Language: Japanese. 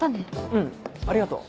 うんありがとう。